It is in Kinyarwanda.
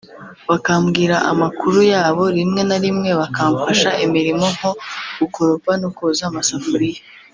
bakambwira amakuru yabo rimwe na rimwe bakamfasha imirimo nko gukoropa no koza amasafuriya